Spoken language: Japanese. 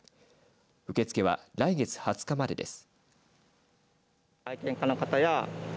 受け付けは来月２０日までです。